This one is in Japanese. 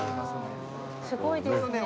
すごいですね。